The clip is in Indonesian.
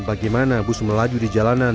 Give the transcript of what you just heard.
bagaimana bus melaju di jalanan